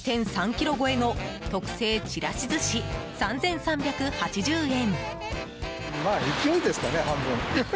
ｋｇ超えの特製ちらし寿司、３３８０円。